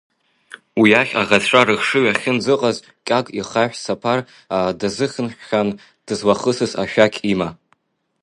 Уи иахь аӷацәа рыхшыҩ ахьынӡыҟаз, Кьагәа ихаҳә саԥар даазыхынҳәхьан, дызлахысыз ашәақь има.